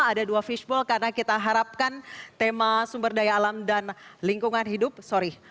ada dua fishbowl karena kita harapkan tema sumber daya alam dan lingkungan hidup sorry